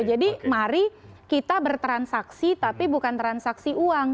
jadi mari kita bertransaksi tapi bukan transaksi uang